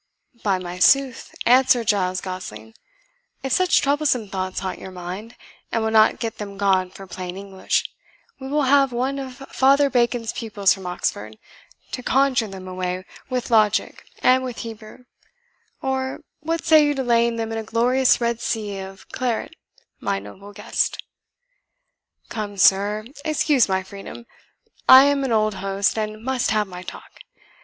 "By my sooth," answered Giles Gosling, "if such troublesome thoughts haunt your mind, and will not get them gone for plain English, we will have one of Father Bacon's pupils from Oxford, to conjure them away with logic and with Hebrew or, what say you to laying them in a glorious red sea of claret, my noble guest? Come, sir, excuse my freedom. I am an old host, and must have my talk.